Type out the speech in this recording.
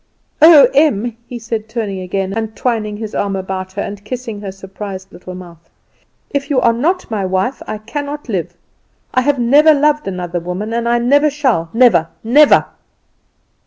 Oh, Em," he said, turning again, and twining his arm about her, and kissing her surprised little mouth, "if you are not my wife I cannot live. I have never loved another woman, and I never shall! never, never!"